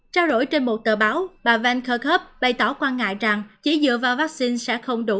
trao đổi trên một tờ báo bà van kerrk khớp bày tỏ quan ngại rằng chỉ dựa vào vaccine sẽ không đủ